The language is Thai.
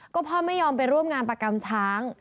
ก็พ่อไม่ยอมไปร่วมงานประกรรมช้าง